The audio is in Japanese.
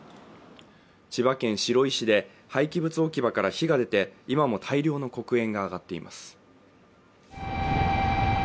千葉県白井市で廃棄物置き場から火が出て今も大量の黒煙が上がっています